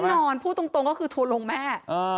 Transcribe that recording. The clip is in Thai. แน่นอนพูดตรงก็คือถัวลงแม่